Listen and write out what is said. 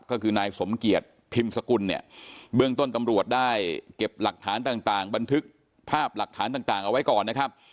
ก็คือนายสมเกียจพิมพ์สกุลเนี่ยเบื้องต้นตำรวจได้เก็บหลักฐานต่างบันทึกภาพหลักฐานต่างเอาไว้ก่อนนะครับ